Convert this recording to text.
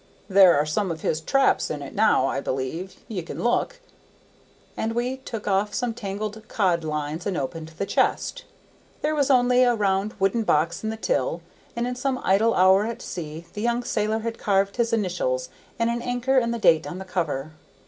"There are some of his traps in it now, I believe; ye can look." And we took off some tangled cod lines and opened the chest. There was only a round wooden box in the till, and in some idle hour at sea the young sailor had carved his initials and an anchor and the date on the cover.